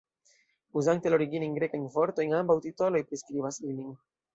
Uzante la originajn grekajn vortojn, ambaŭ titoloj priskribas ilin.